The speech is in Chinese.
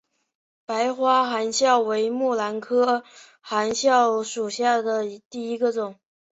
白花含笑为木兰科含笑属下的一个种。